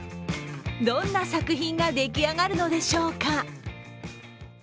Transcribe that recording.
どんな作品が出来上がるのでしょうか。